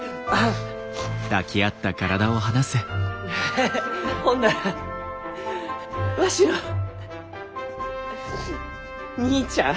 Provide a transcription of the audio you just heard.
ヘヘヘほんならわしの義兄ちゃん？